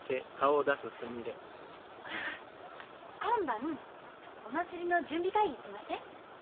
今晩お祭りの準備会議行きません？